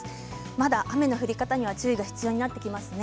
まだ雨の降り方には注意が必要となってきますね。